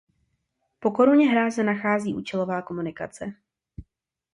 Po koruně hráze prochází účelová komunikace.